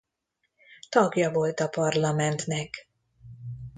Tagja volt a parlamentnek.